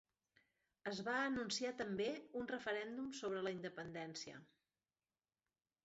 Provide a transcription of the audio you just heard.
Es va anunciar també un referèndum sobre la independència.